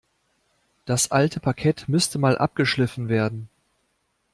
Das alte Parkett müsste Mal abgeschliffen werden.